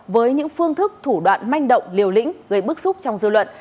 với những phương thức thủ đoạn manh động liều lĩnh gây bức xúc trong dư luận